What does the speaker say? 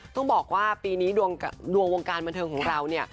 ต้องบอกว่าปีนี้ดวงวงการบันเทิงของเราเนี่ย